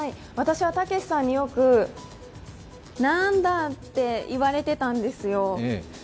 私はたけしさんによく、「なぁんだ」って言われてたんですよ。